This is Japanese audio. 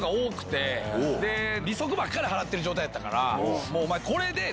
利息ばっかり払ってる状態やったから。